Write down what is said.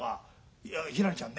いやひらりちゃんね